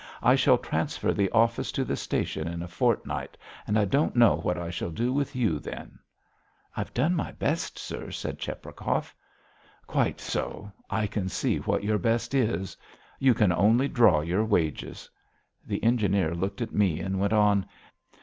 "I shall transfer the office to the station in a fortnight and I don't know what I shall do with you then." "I've done my best, sir," said Cheprakov. "Quite so. I can see what your best is. You can only draw your wages." The engineer looked at me and went on.